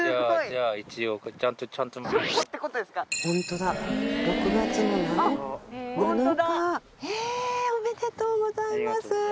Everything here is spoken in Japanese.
ありがとうございます。